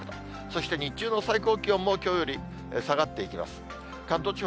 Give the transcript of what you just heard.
そして日中の最高気温も、きょうより下がっていきます。